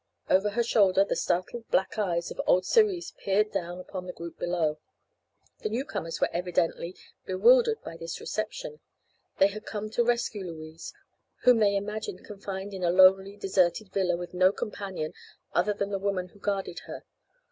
Over her shoulder the startled black eyes of old Cerise peered down upon the group below. The newcomers were evidently bewildered by this reception. They had come to rescue Louise, whom they imagined confined in a lonely deserted villa with no companion other than the woman who guarded her.